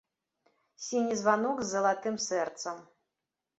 Сіні званок з залатым сэрцам.